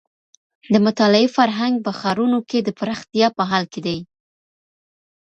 د مطالعې فرهنګ په ښارونو کي د پراختيا په حال کي دی.